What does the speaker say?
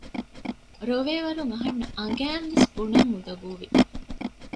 ރޮވޭ ވަރުން އަހަންނަށް އަނގައިންވެސް ބުނަން އުނދަގޫވި